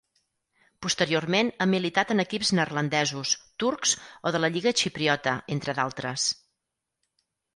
Posteriorment ha militat en equips neerlandesos, turcs o de la lliga xipriota, entre d'altres.